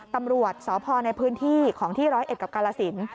ตำรวจสพในพื้นที่ของที่๑๐๑กับกาลสิน